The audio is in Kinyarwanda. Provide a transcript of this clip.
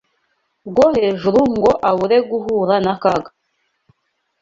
rwo hejuru ngo abure guhura n’akaga